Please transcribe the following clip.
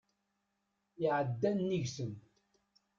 Iɛedda nnig-sen.